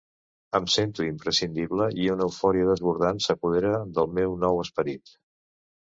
Em sento imprescindible i una eufòria desbordant s'apodera del meu nou esperit.